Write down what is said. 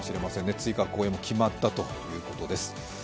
追加公演も決まったということです。